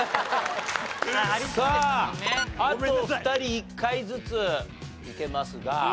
さああと２人一回ずついけますが。